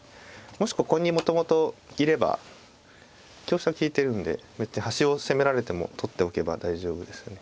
もしここにもともといれば香車は利いてるんで端を攻められても取っておけば大丈夫ですね。